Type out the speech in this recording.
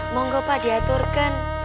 monggo pak diaturkan